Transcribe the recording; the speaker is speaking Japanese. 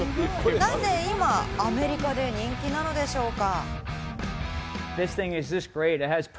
なぜ今、アメリカで人気なのでしょうか？